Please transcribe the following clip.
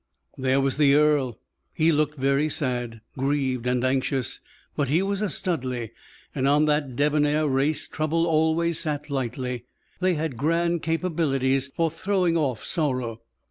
There was the earl; he looked very sad, grieved, and anxious, but he was a Studleigh, and on that debonair race trouble always sat lightly; they had grand capabilities for throwing off sorrow.